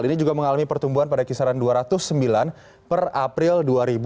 ini juga mengalami pertumbuhan pada kisaran dua ratus sembilan per april dua ribu dua puluh